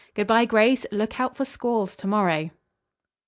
"Good bye, Grace. Look out for squalls to morrow."